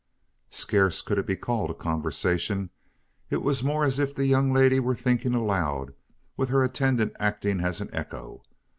Scarce could it be called a conversation. It was more as if the young lady were thinking aloud, with her attendant acting as an echo.